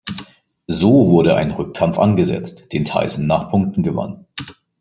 So wurde ein Rückkampf angesetzt, den Tyson nach Punkten gewann.